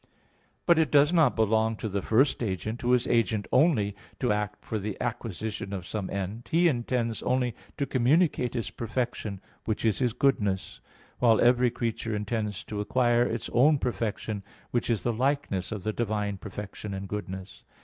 But it does not belong to the First Agent, Who is agent only, to act for the acquisition of some end; He intends only to communicate His perfection, which is His goodness; while every creature intends to acquire its own perfection, which is the likeness of the divine perfection and goodness.